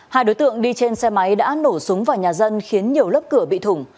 hai đối tượng đi trên xe máy đã nổ súng vào nhà dân khiến nhiều lớp cửa bị thủng